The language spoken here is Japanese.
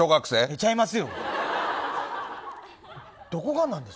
ちゃいますよ！